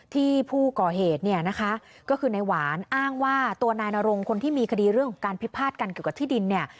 ที่ผู้ก่อเหตุเนี่ยนะคะก็คือนายหวานอ้างว่าตัวนายนรงคนที่มีคดีเรื่องของการพิพาทกันเกี่ยวกับที่ดินเนี่ย